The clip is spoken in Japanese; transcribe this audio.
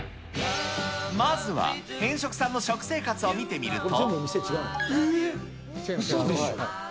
まずは、偏食さんの食生活を見てみると。